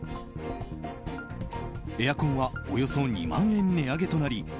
エアコンはおよそ２万円値上げとなり